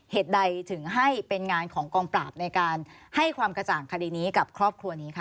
เหตุใดถึงให้เป็นงานของกองปราบในการให้ความกระจ่างคดีนี้กับครอบครัวนี้ค่ะ